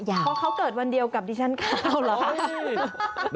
เพราะเขาเกิดวันเดียวกับดิชันครับ